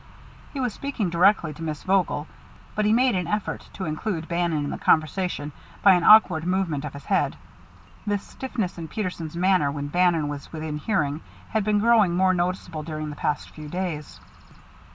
He was speaking directly to Miss Vogel, but he made an effort to include Bannon in the conversation by an awkward movement of his head. This stiffness in Peterson's manner when Bannon was within hearing had been growing more noticeable during the past few days.